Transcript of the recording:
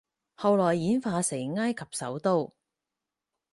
後來演化成埃及首都